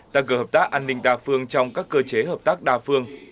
tăng cường hợp tác an ninh đa phương trong các cơ chế hợp tác đa phương